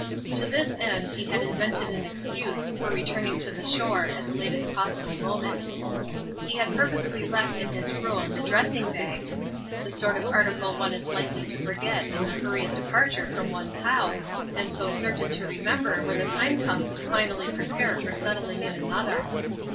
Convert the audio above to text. To this end he had invented an excuse for returning to the shore at the latest possible moment. He had purposely left in his room a dressing bag the sort of article one is likely to forget in the hurry of departure from one's house, and so certain to remember when the time comes to finally prepare for settling in another.